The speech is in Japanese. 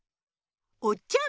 おっちゃん